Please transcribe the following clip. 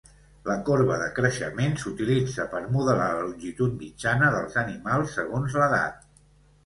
La corba de creixement s'utilitza per modelar la longitud mitjana dels animals segons l'edat.